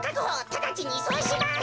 ただちにいそうします！